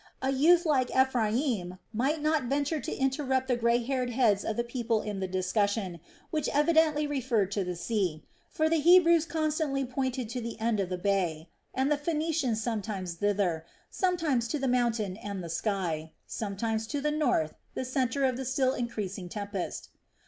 A youth like Ephraim might not venture to interrupt the grey haired heads of the people in the discussion, which evidently referred to the sea; for the Hebrews constantly pointed to the end of the bay, and the Phoenicians sometimes thither, sometimes to the mountain and the sky, sometimes to the north, the center of the still increasing tempest.